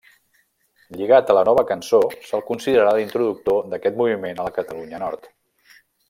Lligat a la Nova Cançó, se'l considerà l'introductor d'aquest moviment a la Catalunya del Nord.